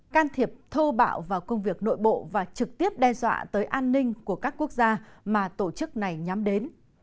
can thiệp thô bạo vào công việc nội bộ và trực tiếp đe dọa tới an ninh của các quốc gia mà tổ chức này nhắm đến